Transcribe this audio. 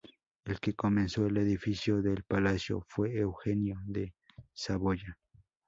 El que comenzó el edificio del Palacio fue Eugenio de Saboya.